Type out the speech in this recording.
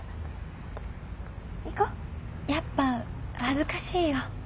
やっぱ恥ずかしいよ。